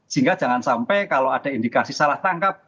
sehingga jangan sampai kalau ada indikasi salah tangkap